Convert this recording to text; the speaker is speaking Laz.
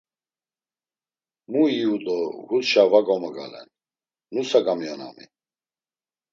Mu iyu do husşa va gamogalen nusa gamionami?